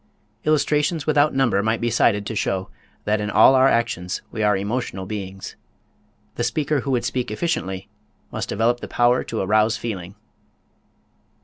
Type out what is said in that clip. Illustrations without number might be cited to show that in all our actions we are emotional beings. The speaker who would speak efficiently must develop the power to arouse feeling.